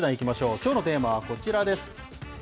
きょうのテーマは、こちらです。